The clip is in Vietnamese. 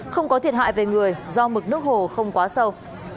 không có thiệt hại về người do mực nước hồ không quá sâu